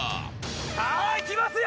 さあいきますよ！